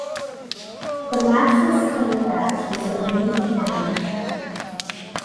The Matchless tank badge was a winged "M".